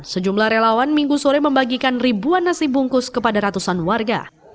sejumlah relawan minggu sore membagikan ribuan nasi bungkus kepada ratusan warga